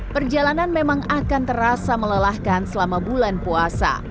perjalanan memang akan terasa melelahkan selama bulan puasa